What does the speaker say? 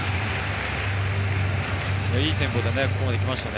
いいテンポでここまで来ましたね。